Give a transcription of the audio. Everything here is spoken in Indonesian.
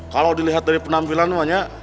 kalau dilihat dari penampilan banyak